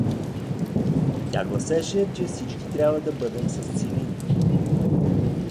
Тя гласеше, че всички трябва да бъдем с цилиндри.